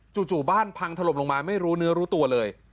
จู่บ้านพังถล่มลงมาไม่รู้เนื้อรู้ตัวเลย